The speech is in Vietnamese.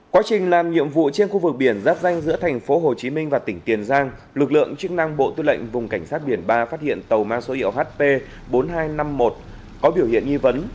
quá trình làm nhiệm vụ trên khu vực biển giáp danh giữa thành phố hồ chí minh và tỉnh tiền giang lực lượng chức năng bộ tuyên lệnh vùng cảnh sát biển ba phát hiện tàu ma số hiệu hp bốn nghìn hai trăm năm mươi một có biểu hiện nghi vấn